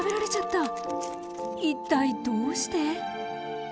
一体どうして？